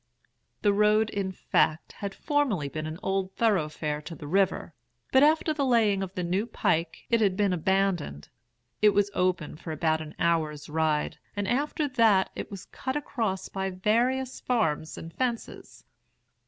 "The road in fact had formerly been an old thoroughfare to the river, but after the laying of the new pike it had been abandoned. It was open for about an hour's ride, and after that it was cut across by various farms and fences.